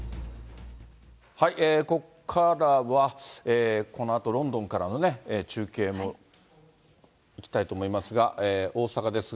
ここからは、このあとロンドンからのね、中継もいきたいと思いますが、大阪ですが、